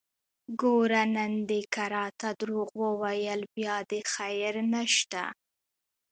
ګوره نن دې که راته دروغ وويل بيا دې خير نشته!